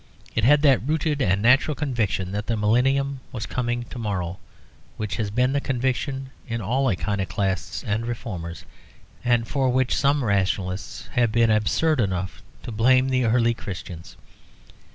It had that rooted and natural conviction that the Millennium was coming to morrow which has been the conviction of all iconoclasts and reformers, and for which some rationalists have been absurd enough to blame the early Christians.